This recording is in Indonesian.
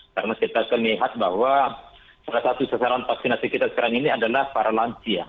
karena kita kelihat bahwa salah satu sasaran vaksinasi kita sekarang ini adalah para lansia